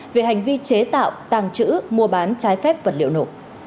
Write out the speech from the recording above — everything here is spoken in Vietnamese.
về hành vi chế tạo tàng trữ mua bán trái phép vật liệu nổ